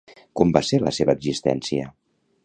Com va ser la seva existència?